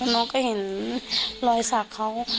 เราก็เห็นรอยสักเขา